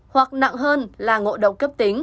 hoặc nặng hơn là ngộ độc cấp